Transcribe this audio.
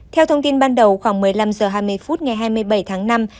theo thông tin ban đầu khoảng một mươi năm h hai mươi phút ngày hai mươi bảy tháng năm